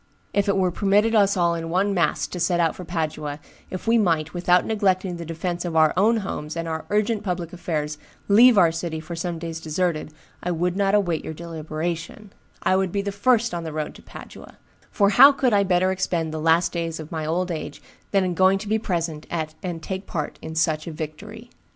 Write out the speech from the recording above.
If it were permitted us all in one mass to set out for Padua, if we might, without neglecting the defence of our own homes and our urgent public affairs, leave our city for some days deserted, I would not await your deliberation; I would be the first on the road to Padua; for how could I better expend the last days of my old age than in going to be present at and take part in such a victory?